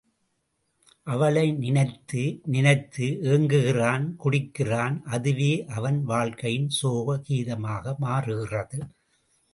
அவளை நினைத்து நினைத்து ஏங்குகிறான் குடிக்கிறான் அதுவே அவன் வாழ்க்கையின் சோக கீதமாக மாறுகிறது.